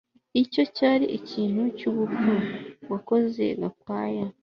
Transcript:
Icyo cyari ikintu cyubupfu wakoze Gakwaya